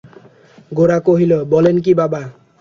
গোরা কহিল, বলেন কী বাবা?